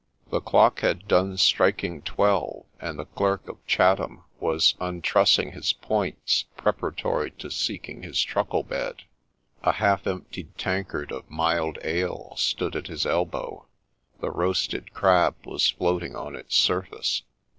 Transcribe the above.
The clock had done striking twelve, and the Clerk of Chatham was untrussing his points preparatory to seeking his truckle bed ; a half emptied tankard of mild ale stood at his elbow, the roasted crab yet floating on its surface.